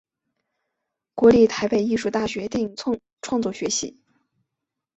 国立台北艺术大学电影创作学系